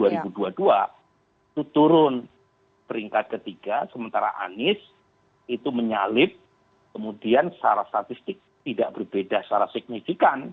itu turun peringkat ketiga sementara anies itu menyalip kemudian secara statistik tidak berbeda secara signifikan